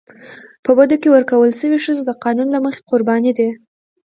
په بدو کي ورکول سوي ښځي د قانون له مخي قرباني دي.